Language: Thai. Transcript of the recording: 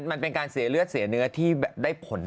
มันเป็นการเสียเลือดเสียเนื้อที่แบบได้ผล